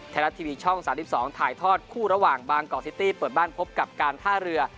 ไทยรัฐทีวีช่อง๓๒ถ่ายทอดคู่ระหว่างบางกอกซิตี้เปิดบ้านพบกับการท่าเรือ